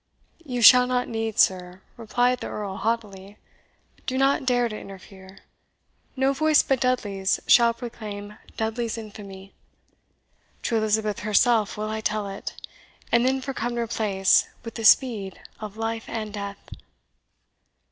"You shall not need, sir," replied the Earl haughtily; "do not dare to interfere. No voice but Dudley's shall proclaim Dudley's infamy. To Elizabeth herself will I tell it; and then for Cumnor Place with the speed of life and death!"